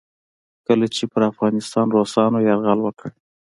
کله چې پر افغانستان روسانو یرغل وکړ.